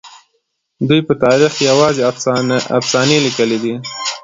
دوی په تاريخ کې يوازې افسانې ليکلي دي.